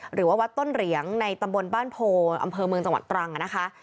หรือว่าวัดต้นเหรียงในตำบลบ้านโพอำเภอเมืองจังหวัดตรังนะคะ